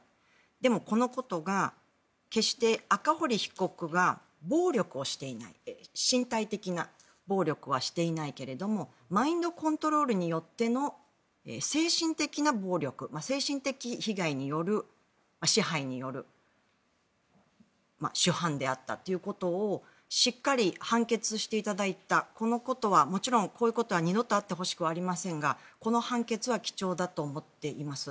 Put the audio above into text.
でも、このことが決して赤堀被告が身体的な暴力はしていないけれどもマインドコントロールによっての精神的な暴力精神的支配による主犯であったということをしっかり判決していただいたこのことはもちろんこういうことは二度とあってほしくありませんがこの判決は貴重だと思っています。